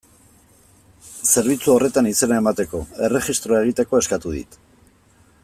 Zerbitzu horretan izena emateko, erregistroa egiteko, eskatu dit.